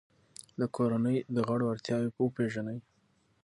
د کورنۍ د غړو اړتیاوې وپیژنئ.